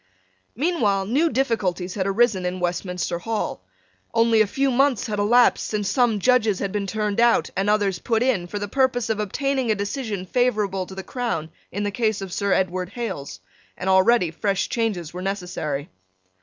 Meanwhile new difficulties had arisen in Westminster Hall. Only a few months had elapsed since some Judges had been turned out and others put in for the purpose of obtaining a decision favourable to the crown in the case of Sir Edward Hales; and already fresh changes were necessary.